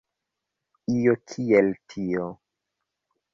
Io kiel tio.